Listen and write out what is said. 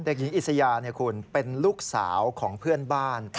หญิงอิสยาคุณเป็นลูกสาวของเพื่อนบ้าน